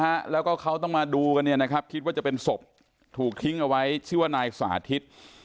ฮะแล้วก็เขาต้องมาดูกันเนี่ยนะครับคิดว่าจะเป็นศพถูกทิ้งเอาไว้ชื่อว่านายสาธิต